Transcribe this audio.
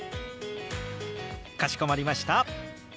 かしこまりました。